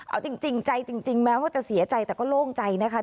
เอาจริงใจจริงแม้ว่าจะเสียใจแต่ก็โล่งใจนะคะ